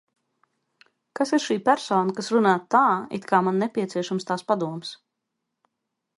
Kas ir šī persona, kas runā tā, it kā man nepieciešams tās padoms?